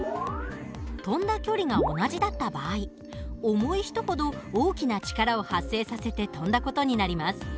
跳んだ距離が同じだった場合重い人ほど大きな力を発生させて跳んだ事になります。